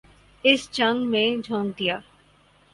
اس جنگ میں جھونک دیا۔